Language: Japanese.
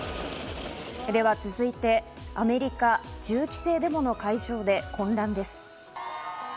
続いて、アメリカ銃規制デモの会場で混乱です。